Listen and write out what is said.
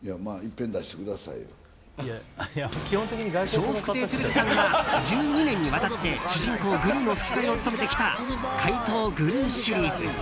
笑福亭鶴瓶さんが１２年にわたって主人公グルーの吹き替えを務めてきた「怪盗グルー」シリーズ。